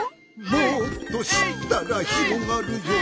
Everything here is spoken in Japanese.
「もっとしったらひろがるよ」